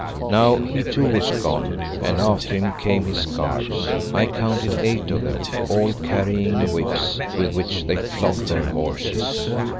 Now he too was gone, and after him came his guards. I counted eight of them, all carrying whips, with which they flogged their horses.